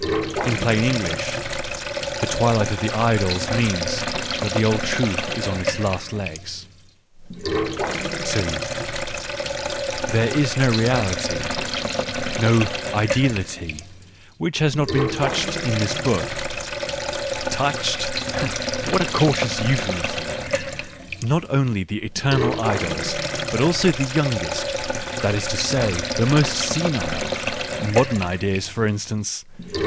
In plain English, The Twi light of the Idols means that the old truth is on its last legs. Digitized by Google WHY I WRITE SUCH EXCELLENT BOOKS 119 There is no reality, no "ideality" which has not been touched in this book (touched ! what a cautious euphemism !). Not only the eternal idols, but also the youngest — that is to say, the most senile : modern ideas, for instance.